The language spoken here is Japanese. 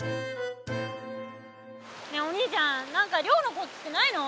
ねえお兄ちゃん何か漁のコツってないの？